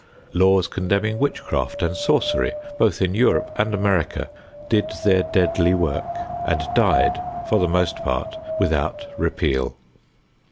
Laws condemning witchcraft and sorcery both in Europe and America did their deadly work and died, for the most part, without repeal.